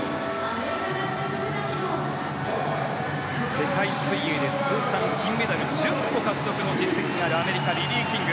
世界水泳で通算銀メダル１０個獲得の実績があるアメリカ、リリー・キング。